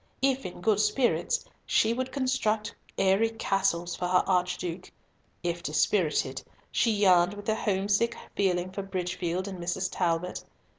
If in good spirits she would construct airy castles for her Archduke; if dispirited, she yearned with a homesick feeling for Bridgefield and Mrs. Talbot.